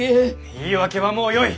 言い訳はもうよい！